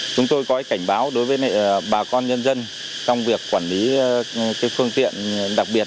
chúng tôi có cảnh báo đối với bà con nhân dân trong việc quản lý phương tiện đặc biệt